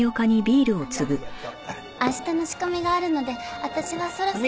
あの明日の仕込みがあるので私はそろそろ。